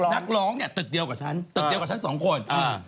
นักร้องเนี่ยตึกเดียวกับฉันตึกเดียวกับฉันสองคน